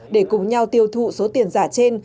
để cùng nhau tiêu thụ số tiền giả trên